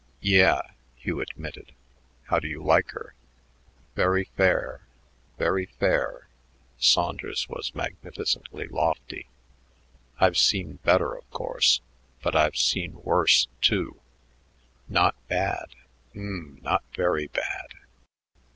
"Yeah," Hugh admitted. "How do you like her?" "Very fair, very fair." Saunders was magnificently lofty. "I've seen better, of course, but I've seen worse, too. Not bad um, not very bad."